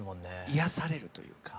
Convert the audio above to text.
癒やされるというか。